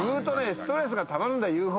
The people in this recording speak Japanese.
ストレスがたまるんだよ。